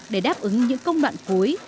để đáp ứng những công đoạn cuối